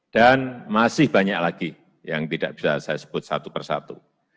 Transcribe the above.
dan masih banyak lagi yang tidak bisa saya sebut satu per satu